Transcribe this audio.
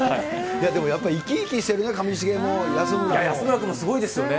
でもやっぱり、生き生きして安村君もすごいですよね。